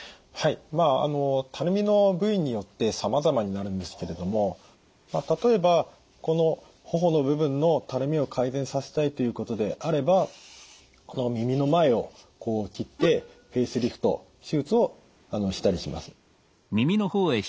まあたるみの部位によってさまざまになるんですけれども例えばこの頬の部分のたるみを改善させたいということであればこの耳の前をこう切ってフェイスリフト手術をしたりします。